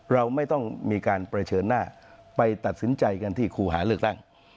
เราไม่ต้องมีการเผชิญหน้าไปตัดสินใจกันที่ครูหาเลือกตั้ง